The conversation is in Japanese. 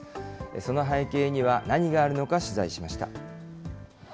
その背景には、何があるのか取材しました。